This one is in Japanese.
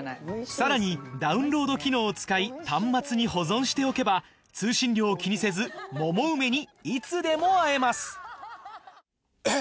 さらにダウンロード機能を使い端末に保存しておけば通信量を気にせず『モモウメ』にいつでも会えますえっ！